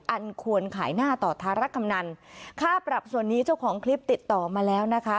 อันควรขายหน้าต่อธารกำนันค่าปรับส่วนนี้เจ้าของคลิปติดต่อมาแล้วนะคะ